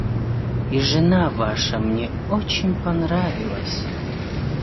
И жена Ваша мне очень понравилась.